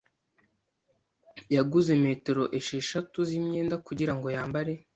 Yaguze metero esheshatu z'imyenda kugirango yambare.